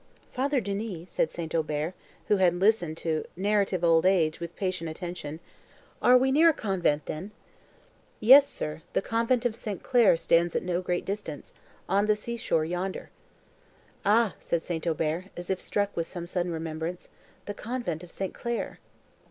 "Father Denis!" said St. Aubert, who had listened to 'narrative old age' with patient attention, "are we near a convent, then?" "Yes, sir; the convent of St. Clair stands at no great distance, on the sea shore yonder." "Ah!" said St. Aubert, as if struck with some sudden remembrance, "the convent of St. Clair!"